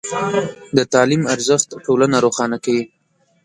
د تعلیم ارزښت ټولنه روښانه کوي.